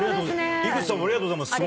井口さんありがとうございます。